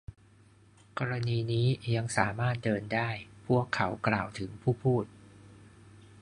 กรณีนี้ ยังสามารถเดินได้ พวกเขากล่าวถึงผู้พูด